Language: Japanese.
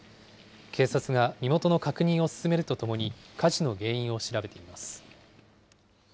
警察が身元の確認を進めるとともに、火事の原因を調べています。